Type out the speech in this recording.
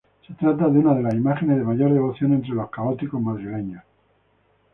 Se trata de una de las imágenes de mayor devoción entre los católicos madrileños.